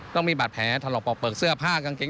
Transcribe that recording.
ต้องมีบาดแผลถลอกปอกเปลือกเสื้อผ้ากางเกง